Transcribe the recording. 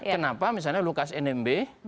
kenapa misalnya lukas nmb